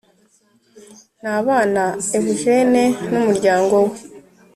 Ntabana Eugene n’ umuryango we